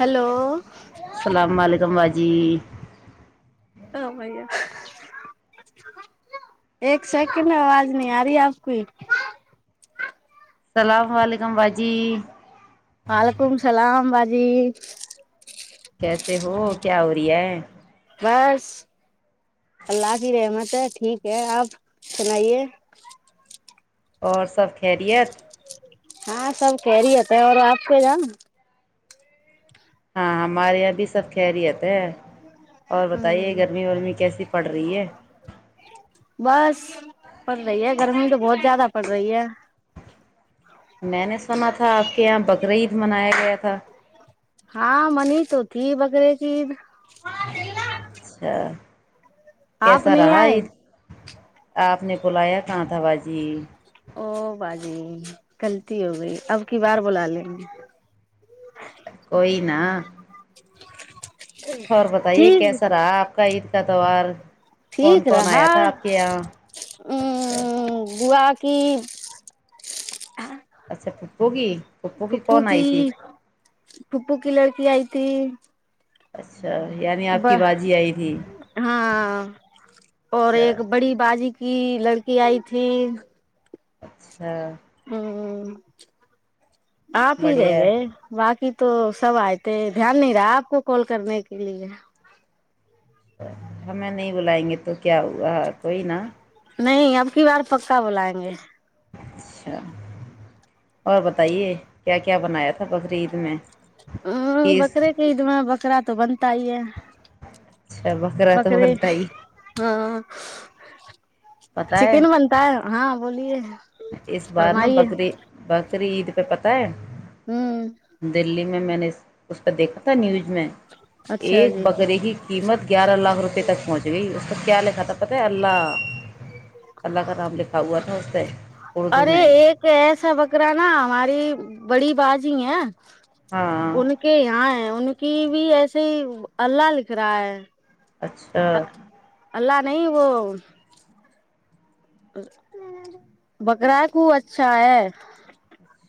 hello السلام علیکم واج جی ہاں بھیا ایک سیکنڈ آواز نہیں آ رہی آپ کو اللام علیکم باجی وعلیکم اللام باجی کیسے ہو کیا ہو رہی ہے بس اللہ کی رحمت ہے ٹھیک ہے آپ سنائیے اور سب کھلے ہاں سب کہہ رہی ہوتا ہے اور آپ سے جان ہاں ہمارے یہاں بھی سب خیریت اور بتائیے ہوں گرمی وورمی کیسی پڑ رہی ہے بند رہی ہے گھر میں تو بہت زیادہ پڑ رہی ہے میں نے سنا تھا تھا آپ کے یہاں بکر عید منایا گیا تھا [inaudible] ہاں منی تو تھی بکرے کی عید میں اچھا آپ کیسا نہیں رہا آئے عید آپ نے بلایا کہاں تھا باجی او بجی غلطی ہو گئی اب کی بار بلا لیں گے کوئی نا ہہ اور بتائیے کیسا رہا آپ کا عید کا تہوار کون ٹھیک کون آیا رہا تھا آپ کے یہاں اچھا ا کہ اچھا تو ہو گی پھوپھوں کی پھوپھوں کی لڑکی آئی تھی جی اچھا یعنی آپ کی باجی آئی تھی ہاں اور اچھا ایک بڑی بازی کہ لڑکی آئی تھی اچھا ہوں آپ ہی رہ بڑھیا ہے گئے باکی تو سب آئے تھے دھیان نہیں رہا آپ کو کال کرنے کے لیے ہمیں نہیں بلائیں گے تو کیا ہوا کوئی نا نہیں اب کی بار پکا بلائیں گے اچھا اور بتائیے کیا کیا بنایا تھا بکرعید میں عیز بکرے کےعید میں بکرا تو بنتا ہی ہے اچھا بکرا تو بنتا ہی ہہ پتہ ہے چکن بنتا ہے ہاں بولیے اس بار ن فرمائیے بکرے بک عید مے پتا ہے ہمم دیلی میں میں نے اس پر دیکا تھا نیوز میں اچھا ایک جی بکرے کی قیمت گیارہ لاکھ روپئے تک پہنچ گئی اس پر کیا لگتا کت پتے اللہ اللہ کا نام لکھا ہوا تھا اس سے ارے ایک ایسا بکرا نا ہماری بڑی باز ہی ہے ہاں ان کے یہاں ہے ان کہ بھی ایسے ہی اللہ لکھ رہا ہے اچھا اللہ نہیں وہ بکرا کو اچھا ہے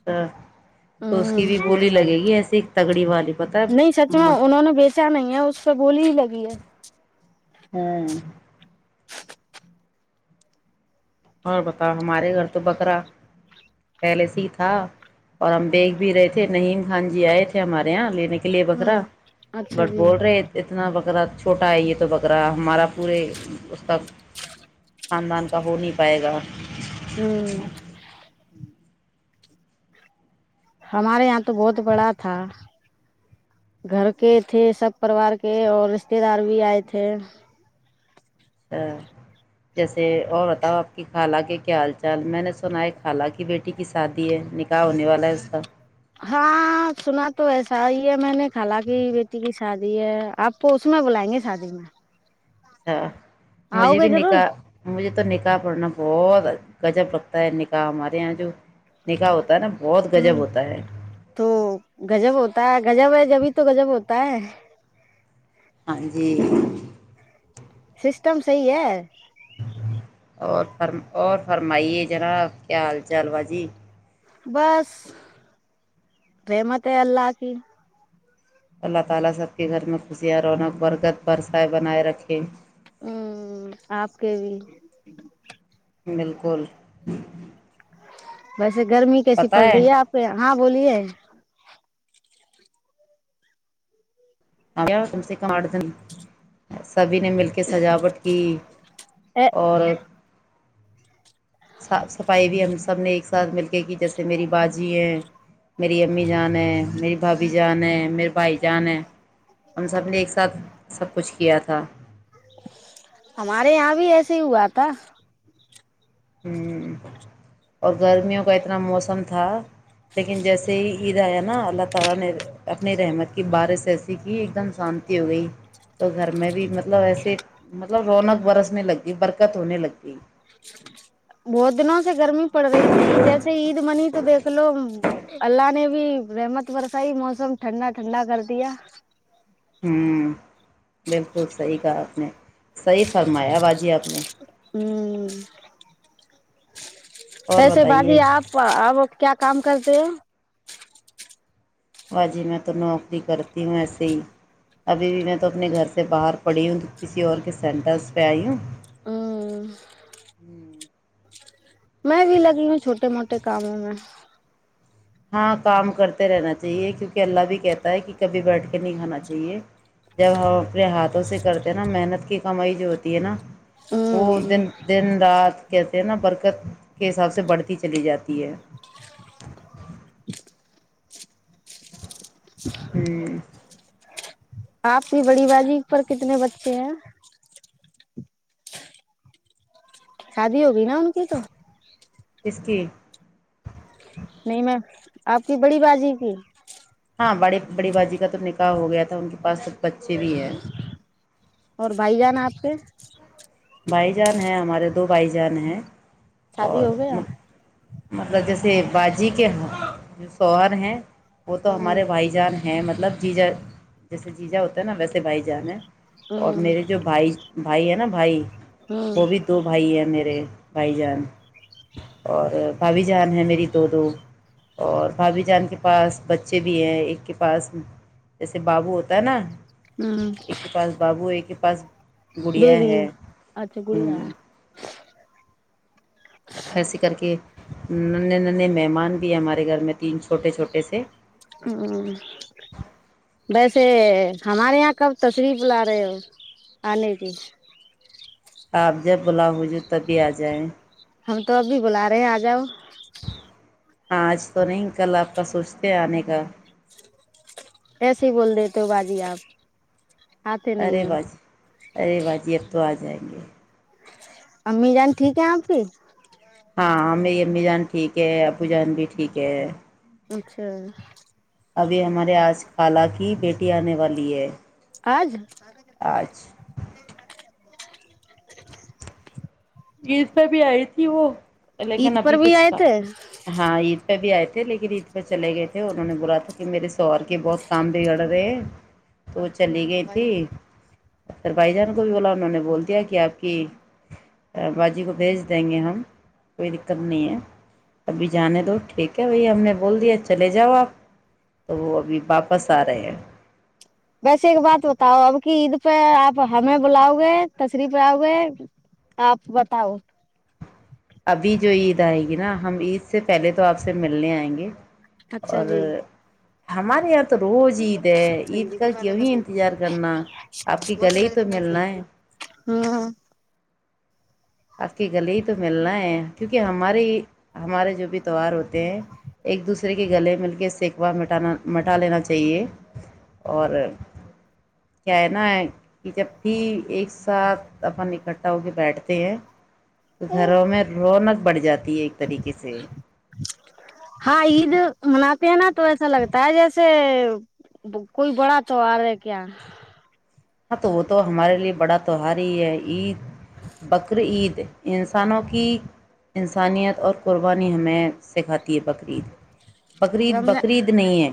اچھا تو اس کی بھی ہ بولی لگے گی ایسی تگڑی والی پت ہے نہیں سچ میںا انہوں نے بیچا نہیں ہے اس سے بولی ہی لگی ہے ہاں اور بتاؤ ہمارے گھر تو بکرا پیلس ہی تھا اور ہم بییکگ بھی رہے تھے نہیںیم خان جی آئے تھے ہمارے یہاں لینے کے لیے ہ بکرا اچھا بٹ جی بول رہے اتنا بکرا چھوٹا ہے یہ تو بکرا ہمارا پورے اس کا خاندان کا ہو نہیں پائے گا ہوں ہمارے یہاں تو بہت بڑا تھا گھر کے تھے سب پروار کے اور رشتے دار بھی آئے تھے اچھا جیسے اور بتاؤ آپ کی خالہ کے کیا حال چال میں نے سنا ہے خالاہ کی بیٹی کی شادی ہے نکاح ہونے والا ہے اس کا ہاں سنا تو ایسا ہی ہے میں نے کال کی بیٹی کی شادی ہے آپ کو اس میں بلائیں گے شادی میں اچھا آؤ مجھے گے بھی ضرور نکاح مجھے تو نکاح پڑنا بہت گجب لگتا ہے نکاح ہمارے یہاں جو نکاح ہوتا ہے نا بہت ہ گجب ہوتا ہے تو گجب ہوتا ہے گجب ہے جبھی تو گجب ہوتا تائ ہاں جی سسٹم صح ہے اور فرم اور فرمائیے جنا کیا حال چال با جی بس رری مت اللہ ہ کہی اللہ تع ہوں آپ کے بھی بالکل بس گرمی کیسی پڑ رہی ہے آپ یہاں بولیے آ کم سے کم آٹھ دن سبھی نے مل کے سجاوٹ کی ا اور صاف صفائی بھی ہم سب نے ایک ساتھ مل کے کی جیسے میری باجی ہیں میری امی جان ہے میری بھابھی جان ہے میرے بھائی جان ہے ہم سب نے ایک ساتھ سب کچھ کیا تھا ہمارے یہاں بھی ایسے ہی ہوا تھا ہوں اور گرمیوں کا اتنا موسم تھا لیکن جیسے ہی اللہ تعالی نے اپنی رحمت کی بارش ایسی کی ایک دمتی ہو گئی تو گھر میں بھی مطلب ایسے مطلب رونق برسنے لگ گئی برکت ہونے لگتی بہت دن سے گرمی پڑ رہی تھی جیسے عید منی تو دیکھ لو اللہ نے بھی رحمت برسائی موسم ٹھنڈا ٹھنڈا کر دیا ہوں بالکل سحی کہا آپ نے سحی فرمایا باجی آپ نے ہوں اور کیسے باجی بتائیے آپ اب کیا کام کرتے ہو باجی میں تو نوکری کرتی ہوں ایسے ہی ابھی بھی میں تو اپنے گھر سے باہر پڑی ہوں کسی اور کے سینٹرس پہ آئی ہوں ہ ہ میں بھی لگی ہوں چھوٹے موٹے کاموں میں ہاں کام کرتے رہنا چاہیے کیونکہ اللہ بھی کہتا ہے کہ کبھی بیٹھ کے نہیں کھانا چاہیے جب ہم اپنے ہاتھوں سے کرتے نا محنت کی کمائی جو ہوتی ہے نا وہ ہوں دن دن رات کہتے ہیں نا برکت کے حساب سے بڑھتی چلی جاتی ہے ٹھ آپ کی بڑی بازی پر کتنے بچے ہیں شادی ہوگی نا ان کی تو کسکی نہیں میں آپ کی بڑی بازی کی ہاں بڑی بڑی بازی کا تو نکاح ہو گیا تھا ان کے پاس سب بچے بھی ہیں اور بھائی جانا آپ کے بھائی جان ہیں ہمارے دو بھائی جان ہیں شادی ہو گیا اور مطلب جیسے بجی کے سوہر ہیں وہ تو ہوں ہمارے بھائی جان ہیں مب مطلب جی جا جیسے جی جا ہوتا ہے نا ویسے بھائی جان ہے اور ہوں میرے جو بھائی بھائی ہے نا بھائی ہوں وہ بھی تو بھائی ہیں میرے بھائی جان اور بھھی بھابھی جان ہیں میری دو دو اور بھابھی جان کے پاس بچے بھی ہیں ایک کے پاس جیسے بابو ہوتا ہے نا ہوں ایک کے پاس بابو ایک کے پس گڑیا بیبی ہے اچھا گڑیا ایسے کر کے ننے نے مہمان بھی ہمارے گھر میں تین چھوٹے چھوٹے سے ہے ویسے ہمارے یہاں کب تشریف ل رہے ہو آنے کی آپ جب بلا ہو جو تب بھی آ جائیں ہم تو اب بھی بلا رہے ہیں آ جاؤ ہاں آج تو نہیں کل آپ کا سوچتے ہیں آنے کا ایسے ہی بول دیتے ہو بازی آپ آتے ارے نہیں ہو باجی ارے باجی اب تو آج جائی گے امی جان ٹھیک ہے آپ کی ہاں میری امی جان ٹھیک ہے اپو جان بھی ٹھیک ہے اچھا ابھی ہمارے آج خال کی بیٹی آنے والی ہے آج آج عید پہ بھی آئی تھی وہ عید لیکن پر ابھی بھی کچھ آئے کا تھے ہاں عید پہ بھی آئے تھ لیکن عید پہ چلے گئے تھے انہوں نے بولا تھا کہ میرے سوہار کے بہت کام بگڑ رہے ہیں تو وہ چ چلی گئی تھی پھر بھائی جان کو بھی بولا انہوں نے بول دیا کہ آپ کی باجی کو بھیج دیں گے ہم کوئی دقت نہیں ہے ابھی جانے دو ٹھیک ہے بھی ہم نے بول دیا چلے جاؤ آپ تو وہ ابھی واپس آ رہے ہیں ویسے ایک بات بتاؤ اب کی عید پہ آپ ہمیں بلاؤ گے تشریف آؤ گے آپ بتاؤ ابھی جو عید آئے گی نا ہم عید سے پہلے تو آپ سے ملنے آئیں گے اچھا اور جی ہمارے یہاں تو روز عید ہے عید کا کیوں ہی انتظار کرنا آپ کے گلے ہی تو ملنا ہے ہاں آقی گلی ہی تو ملنا ہے کیونکہ ہماریے ہمارے جو بھی تہوہار ہوتے ہیں ایک دوسرے کے گلے مل کے سیکوا مٹانا مٹا لینا چاہیے اور کیا ہے نا کہ جب بھی ایک ساتھ اپن اکٹھا ہو کے بیٹھتے ہیں تو گھروں میں رونق بڑھ جاتی ہے ایک طریقے سے ہاں یہ پہنا تو ایسا لگتا ہے جیسے کوئی بڑا تو آ رہا کیا ہاں تو وہ تو ہمارے لے بڑا تہوار ہی ہے عید بقرعید انسانوں کی انسانیت اور قربانی ہمیں سکھاتی ہے بقرعید بقرید رمضان بقرعید نہیں ہے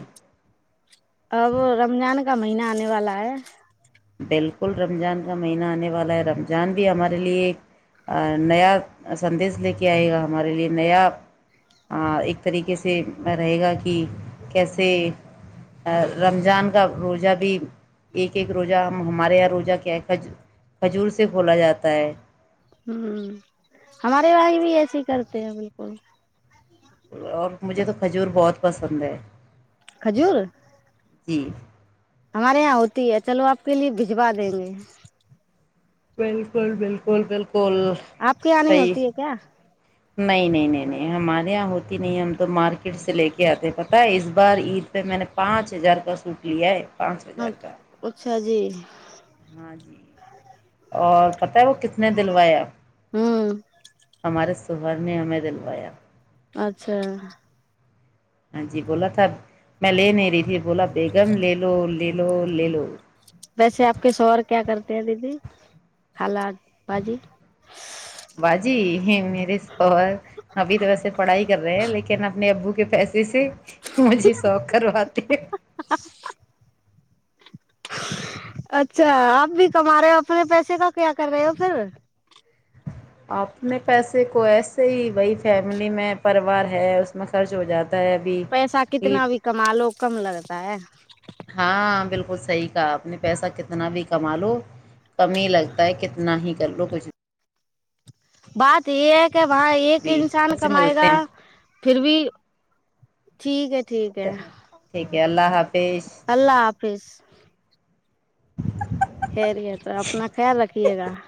اب رمضان کا مہینہ آنے والا ہے بالکل رمضان کا مہینہ آنے والا ہے رمضان بھی ہمارے لیے ایک نیا سندیش لے کے آئے گا ہمارے لیے نیا ایک طریقے سے رہے گا کہ کیسے رمضان کا روجہ بھی ایک ایک روزہ ہمارے یہاں روزہ کیا ہے کھجور سے کھولا جاتا ہے ہ ہمارے والائی بھی ایسے ہی کرتے ہیں بالکل اور مجھے تو کھجور بہت پسند ہے کھجور جی ہمارے یہاں ہو تی ہے چلو آپ کے لیے بھجوا دیں گے بالکل بالکل بالکل آپ کے یہاں نہیں صحیح ہوتی ہے کیا نہیں نہیں نہیں نہیں ہمارے یہاں ہوتی نہیں ہم تو مارکیٹ سے لے کے آتے ہیں پتہ ہے اس بار عید پہ میں نے پانچ ہزار کا سوٹ لیا ہے پانچ ہزار کا [inaudible] [inaudible] ہاں جی اور پت ہے وہ کتنے دلویاپ ہوں ہمارے تو ہر نے ہمیں دلوایا اچھا ہاں جی بولا تھا میں لے نہیں رہی تھی بولا بیگم لے لو لےو مے لوگ ویسے آپ کے شوور کیا کرتے ہیں دیدی خالا بجی باجی میرے س ابھی تو ویسے پڑھائی کر رہے ہیں لیکن اپنے ابو [inaudible] [inaudible] اچھا آپ بھی کما رہے ہو اپنے پیسے کا کیا کر رہے ہو پھر اپنے پیسے کو ایسے ہی بائی فیملی میں پوار ہے اس میں خرچ ہو جاتا ہے ابھی پیسہ کتنا عید بھی کم لو کم لگتا ہے ہاں بالکل صحیح کہا اپنے پیسہ کتنا بھی کما لو کمی ہی لگتا ہے کتنا ہی تلر کوئیس بات ایک کہ وہاں ایک بھی انسان پھر سے کمائے ملتے گا ہیں پھر بھی ٹھیک ہے ٹھیک ہے ٹھیک ہے اللہ حافظ خری ہے تو اپنا خیال رکھیے گا